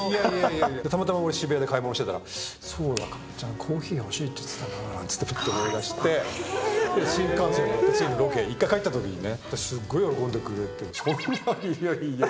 たまたま俺、渋谷で買い物してたら、そうだ、果耶ちゃん、コーヒー欲しいなって言ってたなって、ふっと思い出して、新幹線乗って、次のロケ、一回帰ったときにね、すごい喜んでくれて、そんな、いやいやいや。